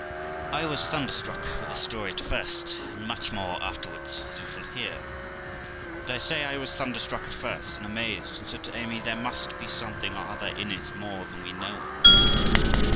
I was thunderstruck with the story at first, and much more afterwards, as you shall hear ; but, I say, I was thunderstruck at first, and amazed, and said to Amy, 'There must be something or other in it more than we know of.'